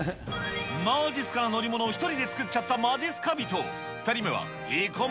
まじっすかな乗り物を１人で作っちゃった２人目のまじっすか人。